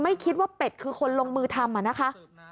ไม่คิดว่าเป็ดคือคนลงมือทำนะคะ